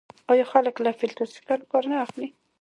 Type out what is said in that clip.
آیا خلک له فیلټر شکن کار نه اخلي؟